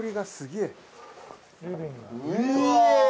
うわ！